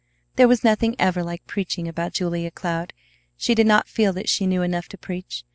There was nothing ever like preaching about Julia Cloud; she did not feel that she knew enough to preach.